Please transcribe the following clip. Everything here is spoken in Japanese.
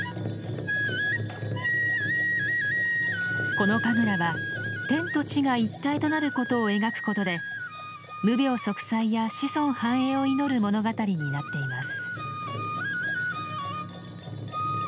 この神楽は天と地が一体となることを描くことで無病息災や子孫繁栄を祈る物語になっています。